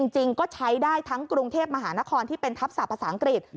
จริงก็ใช้ได้ทั้งกรุงเทพมหานครที่เป็นทัพศาสภาษาอังกฤษ